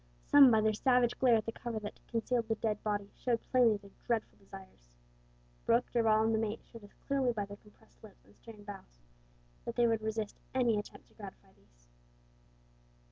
Some by their savage glare at the cover that concealed the dead body showed plainly their dreadful desires. Brooke, Darvall, and the mate showed as clearly by their compressed lips and stern brows that they would resist any attempt to gratify these.